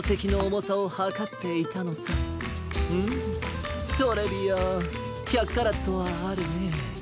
うーんトレビアーン１００カラットはあるね。